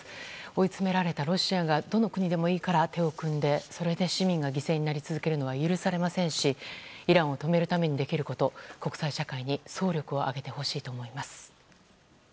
追い詰められたロシアがどの国でもいいから手を組んでそれで市民が犠牲になり続けるのは許されませんしイランを止めるためにできること国際社会に総力を挙げてほしいと思います。